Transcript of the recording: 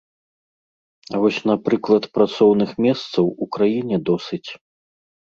А вось, напрыклад, працоўных месцаў у краіне досыць.